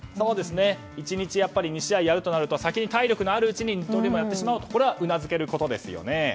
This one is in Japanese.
１日２試合やるとなると先に体力のあるうちに二刀流もやってしまおうとこれはうなずけることですよね。